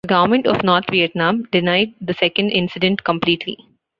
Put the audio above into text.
The government of North Vietnam denied the second incident completely.